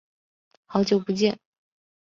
好久不见。